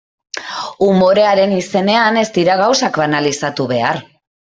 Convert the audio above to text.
Umorearen izenean ez dira gauzak banalizatu behar.